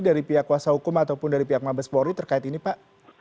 dari pihak kuasa hukum ataupun dari pihak mabes polri terkait ini pak